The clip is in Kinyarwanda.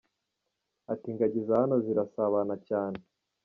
Ati “Ingagi za hano zirasabana cyane.